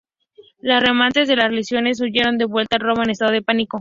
Los remanentes de las legiones huyeron de vuelta a Roma en estado de pánico.